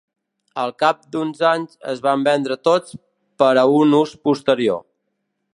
Al cap d'uns anys es van vendre tots per a un ús posterior.